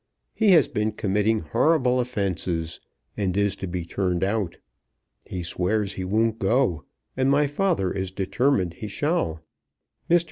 He has been committing horrible offences, and is to be turned out. He swears he won't go, and my father is determined he shall. Mr.